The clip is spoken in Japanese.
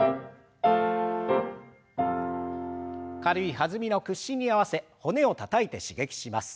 軽い弾みの屈伸に合わせ骨をたたいて刺激します。